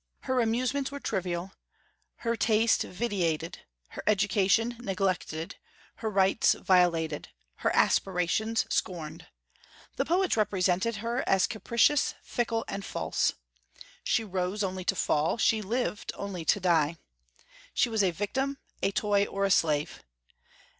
Her amusements were trivial, her taste vitiated, her education neglected, her rights violated, her aspirations scorned. The poets represented her as capricious, fickle, and false. She rose only to fall; she lived only to die. She was a victim, a toy, or a slave.